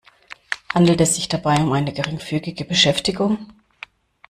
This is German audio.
Handelt es sich dabei um eine geringfügige Beschäftigung?